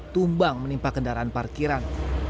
tumbang menimpa kendaraan parkiran